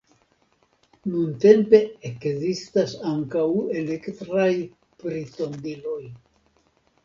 Nuntempe ekzistas ankaŭ elektraj pritondiloj.